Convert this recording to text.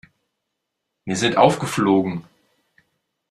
Wir sind aufgeflogen.